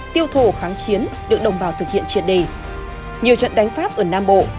tiêu thổ kháng chiến được đồng bào thực hiện triệt đề nhiều trận đánh pháp ở nam bộ